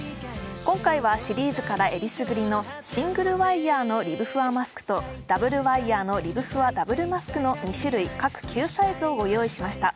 今回はシリーズからえりすぐりのシングルワイヤーのリブふわマスクとダブルワイヤーのリブふわＷマスクの２種類各９サイズをご用意しました。